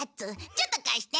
ちょっと貸して。